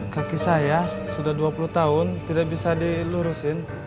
kaki saya sudah dua puluh tahun tidak bisa dilurusin